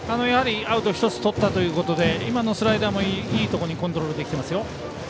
アウトを１つとったということで今のスライダーもいいところにコントロールできていますよ。